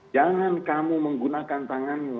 jangan kamu menggunakan tanganmu